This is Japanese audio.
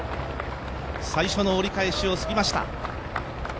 最初の折り返しを過ぎました。